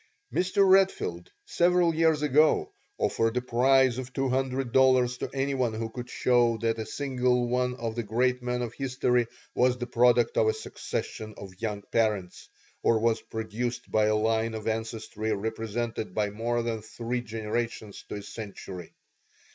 Mr. Redfield several years ago offered a prize of two hundred dollars to anyone who could show that a single one of the great men of history was the product of a succession of young parents, or was produced by a line of ancestry represented by more than three generations to a century.